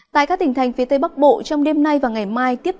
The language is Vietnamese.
tại các tỉnh thành phía tây bắc bộ trong đêm nay và ngày mai tiếp